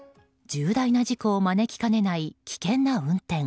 重大な事故を招きかねない危険な運転。